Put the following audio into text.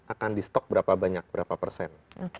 akan di stok berapa banyak berapa persen